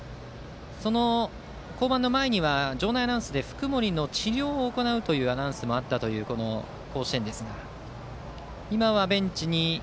降板の前には場内アナウンスで福盛の治療を行うというアナウンスもあった甲子園ですが。